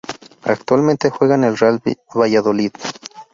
Actualmente juega en el Real Valladolid.